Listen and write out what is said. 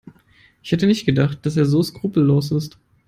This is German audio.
Ich hätte nicht gedacht, dass er so skrupellos ist.